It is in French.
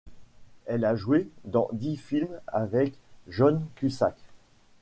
Elle a joué dans dix films avec John Cusack.